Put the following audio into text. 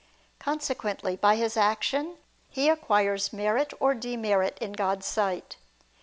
Consequently, by his action, he acquires merit or demerit in God's sight.